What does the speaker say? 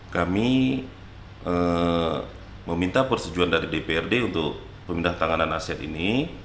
kami meminta persetujuan dari dprd untuk pemindah tanganan aset ini